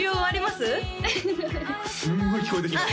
すごい聞こえてきます